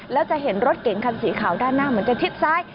แล้วจะเห็นรถเก๋งคันสีขาวด้านหน้าเหมือนจะชิดซ้าย